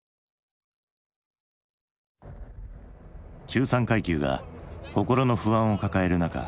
中産階級が心の不安を抱える中